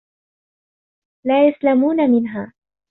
لَا يَسْلَمُونَ مِنْهَا